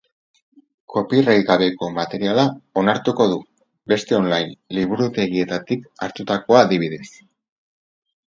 Copyright gabeko materiala onartuko du, beste online liburutegietatik hartutakoa adibidez.